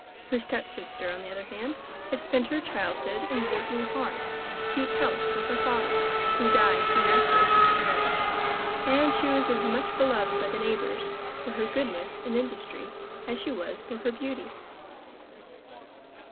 Her stepsister, on the other hand, had spent her childhood in working hard to keep house for her father, who died soon after his second marriage; and she was as much beloved by the neighbours for her goodness and industry as she was for her beauty.